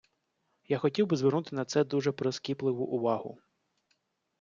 Я хотів би звернути на це дуже прискіпливу увагу.